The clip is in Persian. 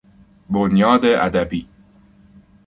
بنیاد ادبی